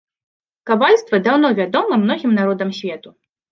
Кавальства даўно вядома многім народам свету.